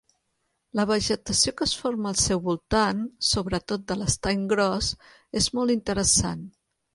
La vegetació que es forma al seu voltant, sobretot de l'Estany Gros, és molt interessant.